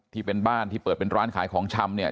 ที่เป็นบ้านที่เปิดเป็นร้านขายของชำเนี่ย